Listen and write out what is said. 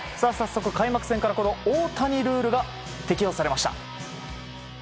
早速、開幕戦から大谷ルールが適用されました。